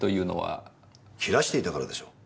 切らしていたからでしょう。